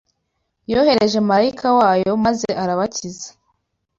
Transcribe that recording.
Yohereje marayika wayo maze arabakiza